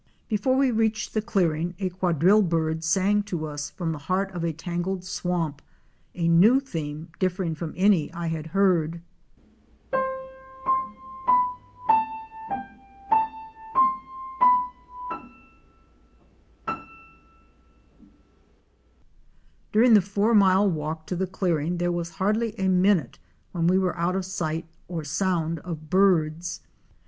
Before we reached the clearing a Quadrille Bird ™ sang to us from the heart of a tangled swamp, a new theme differ ing from any I had heard: = 6 eee =r 5 €eep, eFetr — i ||| Ess] 11 — W EG t Ua During the four mile walk to the clearing there was hardly a minute when we were out of sight or sound of birds.